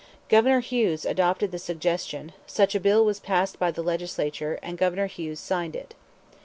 Governor Hughes adopted the suggestion, such a bill was passed by the Legislature, and Governor Hughes signed it.